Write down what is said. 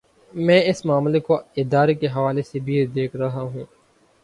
میں اس معاملے کو ادارے کے حوالے سے بھی دیکھ رہا ہوں۔